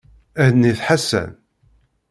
Hennit Ḥasan.